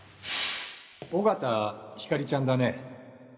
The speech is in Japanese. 緒方ひかりちゃんだね？